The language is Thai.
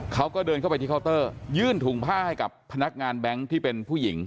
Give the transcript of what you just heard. เขาก็เดินเข้าไปที่เคาน์เตอร์ยื่นถุงผ้าให้กับพนักงานแบงค์ที่เป็นผู้หญิง